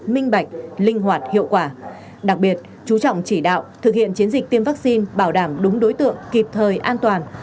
minh bạch linh hoạt hiệu quả đặc biệt chú trọng chỉ đạo thực hiện chiến dịch tiêm vaccine bảo đảm đúng đối tượng kịp thời an toàn